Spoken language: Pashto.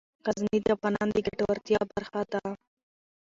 غزني د افغانانو د ګټورتیا برخه ده.